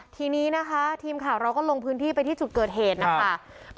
ทีนี้นะคะทีมข่าวเราก็ลงพื้นที่ไปที่จุดเกิดเหตุนะคะ